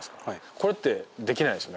これって、できないですよね。